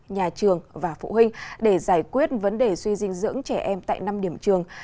nhà trường và phụ huynh để giải quyết vấn đề suy dinh dưỡng trẻ em tại năm điểm trường